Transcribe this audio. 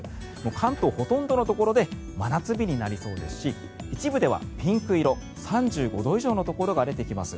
関東、ほとんどのところで真夏日になりそうですし一部ではピンク色３５度以上のところが出てきます。